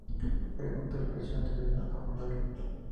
Pregunte el precio antes de abordarlo.